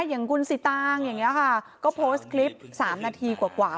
อย่างคุณสิตางอย่างนี้ค่ะก็โพสต์คลิป๓นาทีกว่า